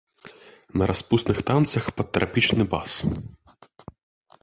На распусных танцах пад трапічны бас.